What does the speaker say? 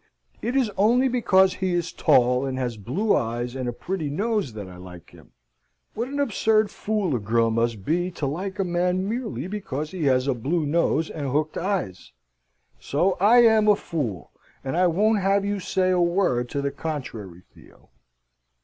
It is only because he is tall, and has blue eyes, and a pretty nose that I like him. What an absurd fool a girl must be to like a man merely because he has a blue nose and hooked eyes! So I am a fool, and I won't have you say a word to the contrary, Theo!"